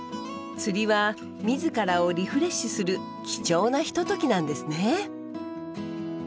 釣りは自らをリフレッシュする貴重なひとときなんですね。